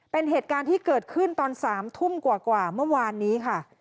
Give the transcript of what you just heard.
เป็นเหตุการณ์ที่เกิดขึ้นตอน๓ทุ่มกว่าเมื่อวานนี้ค่ะ